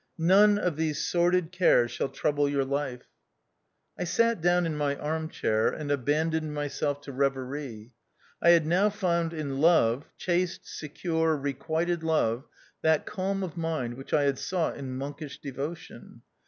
None of these sordid cares shall trouble your life. THE OUTCAST. 99 I sat down in my arm chair and aban doned myself to reverie. I had now found in love — chaste, secure, requited love — that calm of mind which I had sought in monkish devotion.